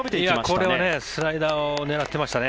これはスライダーを狙っていましたね。